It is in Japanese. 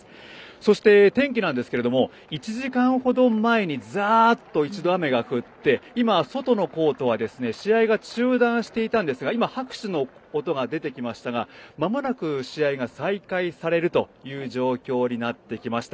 そして、天気なんですけれども１時間ほど前にざーっと、一度、雨が降って今は外のコートは試合が中断していたんですが拍手の音が出てきましたがまもなく試合が再開されるという状況になってきました。